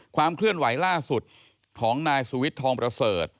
ความเคลื่อนไหวล่าสุดของนายสุวิทย์ทองประเสริฐ